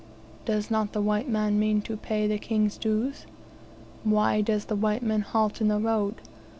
Does not the white man mean to pay the King's dues? Why does the white man halt in the road?